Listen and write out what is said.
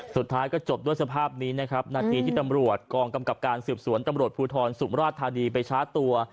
สุดท้ายก็จบด้วยสภาพนี้นะครับนาทีที่ตำรวจกองกำกับการสืบสวนตำรวจภูทรสุมราชธานีไปชาร์จตัว